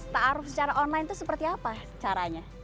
⁇ taaruf secara online itu seperti apa caranya